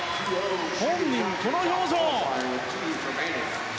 本人、この表情。